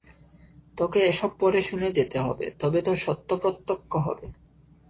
তোকে এসব পড়ে শুনে যেতে হবে, তবে তোর সত্য প্রত্যক্ষ হবে।